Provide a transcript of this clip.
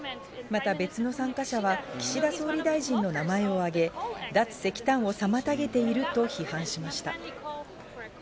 また別の参加者は岸田総理大臣の名前を挙げ、脱石炭を妨げていると批判しました。